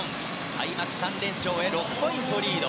開幕３連勝へ６ポイントリード。